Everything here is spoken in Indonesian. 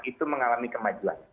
itu mengalami kemajuan